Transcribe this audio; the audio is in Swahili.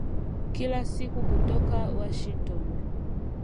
Kila siku kutoka Washington